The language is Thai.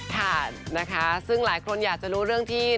ค่ะนะคะซึ่งหลายคนอยากจะรู้เรื่องที่